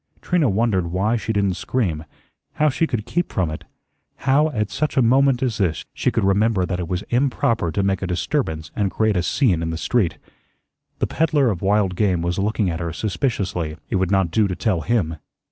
Trina wondered why she didn't scream, how she could keep from it how, at such a moment as this, she could remember that it was improper to make a disturbance and create a scene in the street. The peddler of wild game was looking at her suspiciously. It would not do to tell him.